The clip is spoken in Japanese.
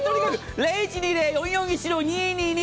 ０１２０−４４１−２２２